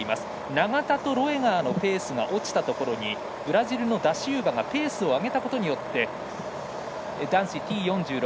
永田とロエガーのペースが落ちたところにブラジルのダシウバがペースを上げたことで男子のＴ４６。